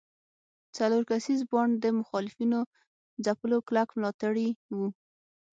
د څلور کسیز بانډ د مخالفینو ځپلو کلک ملاتړي وو.